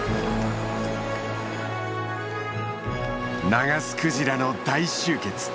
ナガスクジラの大集結。